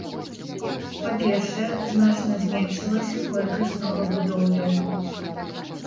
Па-першае, значна зменшылася колькасць новабудоўляў.